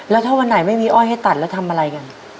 แล้วถ้าวันไหนไม่มีอ้อยให้ตัดแล้วทำอะไรกัน